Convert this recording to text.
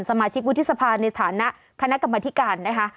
สมาชิกวุฒิสภาในฐานะคณะกรรมธิการนะคะ